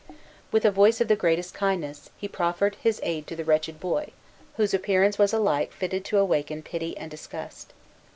With a voice of the greatest kindness, he proffered his aid to the wretched boy, whose appearance was alike fitted to awaken pity and disgust.